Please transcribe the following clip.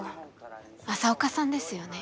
朝岡さんですよね。